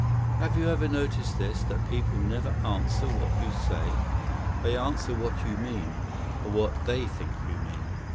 "Have you ever noticed this that people never answer what you say? They answer what you mean or what they think you mean.